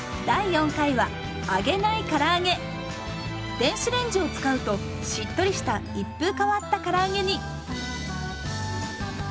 電子レンジを使うとしっとりした一風変わったから揚げに。